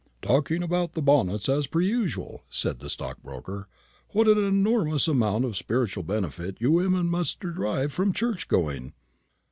"Talking about the bonnets, as per usual," said the stockbroker. "What an enormous amount of spiritual benefit you women must derive from church going!